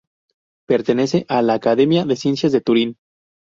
Pertenece a la Academia de ciencias de Turín.